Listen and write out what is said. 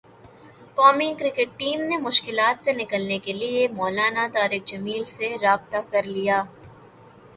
قومی cricket team نے مشکلات سے نکلنے کیلئے مولانا طارق جمیل سے رابطہ کرلیا